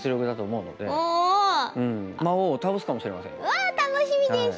うわ楽しみです！